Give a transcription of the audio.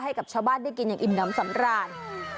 ให้กับชาวบ้านได้กินอย่างอิ่มน้ำสำราญ